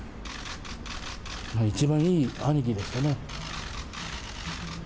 一番いい兄貴でしたね。